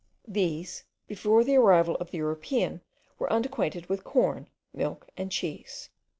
these, before the arrival of the Europeans, were unacquainted with corn, milk, and cheese.